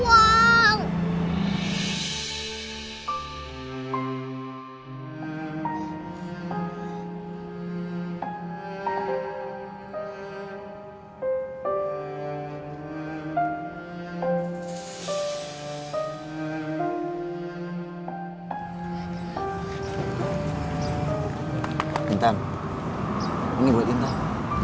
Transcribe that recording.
tintan ini buat tintan